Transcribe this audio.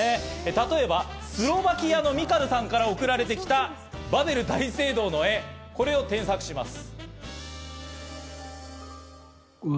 例えばスロバキアのミカルさんから送られてきた、バベル大聖堂の絵、これを添削します。